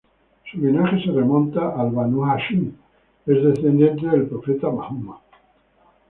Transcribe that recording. Su linaje se remonta al Banu Hashim, es descendiente del profeta Mahoma.